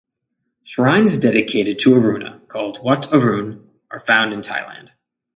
Shrines dedicated to Aruna, called "Wat Arun", are found in Thailand.